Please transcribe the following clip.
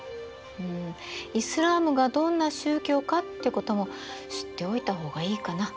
イスラームがどんな宗教かってことも知っておいた方がいいかな。